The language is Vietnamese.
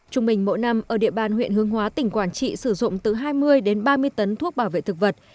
trung bình mỗi năm ở địa bàn huyện hương hóa tỉnh quảng trị sử dụng từ hai mươi đến ba mươi tấn thuốc bảo vệ thực vật